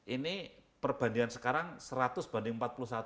ini perbandingan sekarang seratus banding empat puluh satu